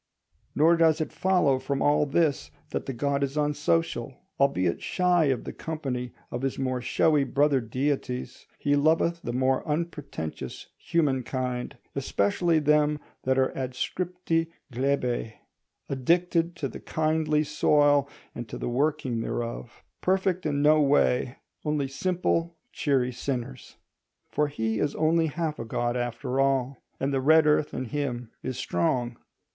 Nor does it follow from all this that the god is unsocial. Albeit shy of the company of his more showy brother deities, he loveth the more unpretentious humankind, especially them that are adscripti glebæ, addicted to the kindly soil and to the working thereof: perfect in no way, only simple, cheery sinners. For he is only half a god after all, and the red earth in him is strong.